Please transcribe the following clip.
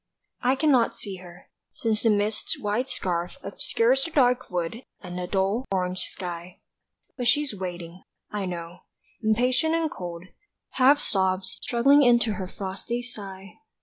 I cannot see her, since the mist's white scarf Obscures the dark wood and the dull orange sky; But she's waiting, I know, impatient and cold, half Sobs struggling into her frosty sigh.